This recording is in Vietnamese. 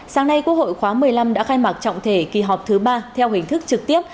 sáng nay quốc hội khóa một mươi năm đã khai mạc trọng thể kỳ họp thứ ba theo hình thức trực tiếp